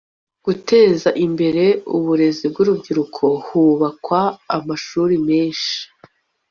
guteza imbere uburezi bw'urubyiruko hubakwa amashuri menshi